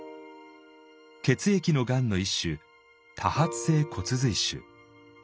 血液のがんの一種「多発性骨髄腫」。